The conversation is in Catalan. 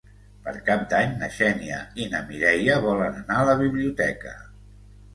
Per Cap d'Any na Xènia i na Mireia volen anar a la biblioteca.